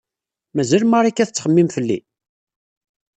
Mazal Marika tettxemmim fell-i?